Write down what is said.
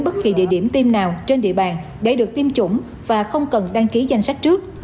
bất kỳ địa điểm tiêm nào trên địa bàn để được tiêm chủng và không cần đăng ký danh sách trước